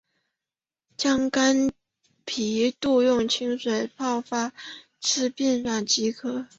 将干皮肚用清水泡发至变软即可。